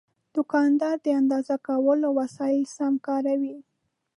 دوکاندار د اندازه کولو وسایل سم کاروي.